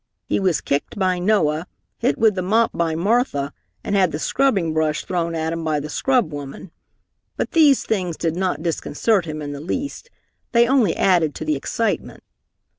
He was kicked by Noah, hit with the mop by Martha and had the scrubbing brush thrown at him by the scrub woman. But these things did not disconcert him in the least. They only added to the excitement.